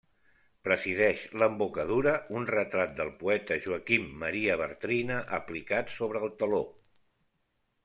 Presideix l'embocadura un retrat del poeta Joaquim Maria Bartrina, aplicat sobre el teló.